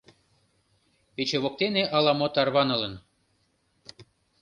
Пече воктене ала-мо тарванылын.